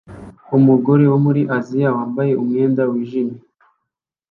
Umugore wo muri Aziya wambaye umwenda wijimye